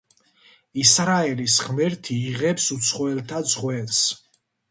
ისრაელის ღმერთი იღებს უცხოელთა ძღვენს.